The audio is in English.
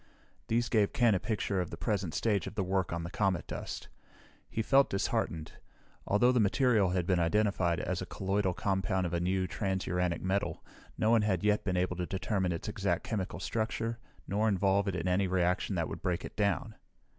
These gave Ken a picture of the present stage of the work on the comet dust. He felt disheartened. Although the material had been identified as a colloidal compound of a new, transuranic metal, no one had yet been able to determine its exact chemical structure nor involve it in any reaction that would break it down.